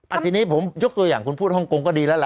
ทีนี้ผมยกตัวอย่างคุณพูดฮ่องกงก็ดีแล้วล่ะ